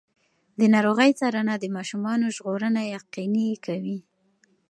د ناروغۍ څارنه د ماشومانو ژغورنه یقیني کوي.